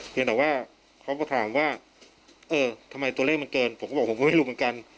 เพียงแต่ว่าเขาก็ถามว่าเออทำไมตัวเลขมันเกินผมก็บอกผมก็ไม่รู้เหมือนกัน